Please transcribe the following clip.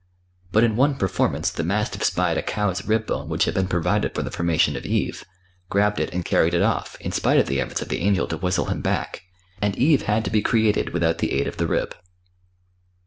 But in one performance the mastiff spied a cow's rib bone which had been provided for the formation of Eve, grabbed it and carried it off, in spite of the efforts of the Angel to whistle him back, and Eve had to be created without the aid of the rib.